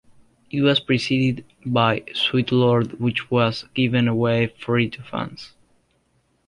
It was preceded by "Sweet Lord" which was given away free to fans.